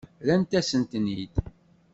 Rrant-asen-ten-id.